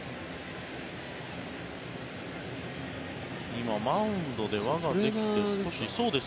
今、マウンドで輪ができて少し。